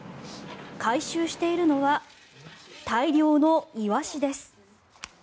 回収しているのは大量のイワシです。